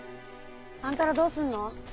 あんたらどうすんの？